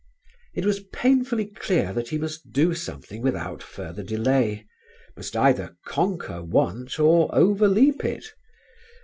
It was painfully clear that he must do something without further delay, must either conquer want or overleap it.